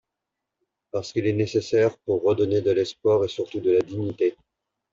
parce qu’il est nécessaire pour redonner de l’espoir et surtout de la dignité.